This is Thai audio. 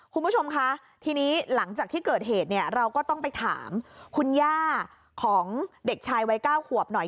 คุณผู้ชมคะทีนี้หลังจากที่เกิดเหตุเนี่ยเราก็ต้องไปถามคุณย่าของเด็กชายวัย๙ขวบหน่อย